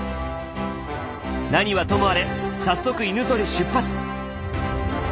何はともあれ早速犬ゾリ出発。